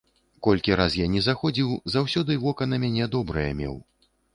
Колькі раз я ні заходзіў, заўсёды вока на мяне добрае меў.